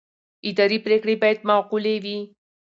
اداري پرېکړې باید معقولې وي.